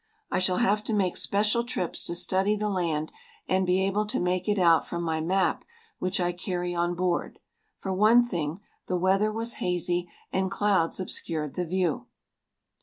I shall have to make special trips to study the land and be able to make it out from my map which I carry on board. For one thing the weather was hazy and clouds obscured the view.